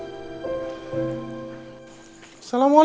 ada naszej satu kesiakan